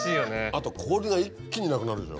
あと氷が一気になくなるでしょ。